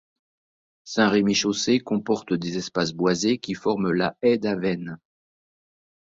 Saint-Remy-Chaussée comporte des espaces boisés qui forment la Haie d'Avesnes.